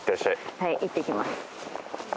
はいいってきます。